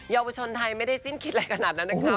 ยาวชนไทยไม่ได้สิ้นคิดอะไรขนาดนั้นนะคะ